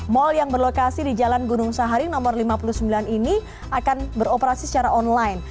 mal yang berlokasi di jalan gunung sahari nomor lima puluh sembilan ini akan beroperasi secara online